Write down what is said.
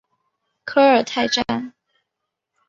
科尔泰站